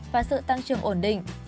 và sự tăng trường ổn định